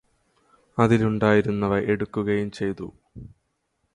അതിലുണ്ടായിരുന്നവ എടുക്കുകയും ചെയ്തു